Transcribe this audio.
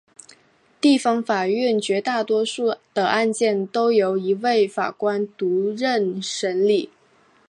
地方法院绝大多数的案件都由一位法官独任审理。